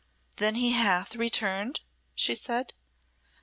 "Then he hath returned?" she said.